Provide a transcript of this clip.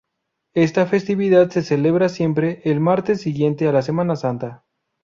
Esta festividad se celebra siempre el martes siguiente a la Semana Santa.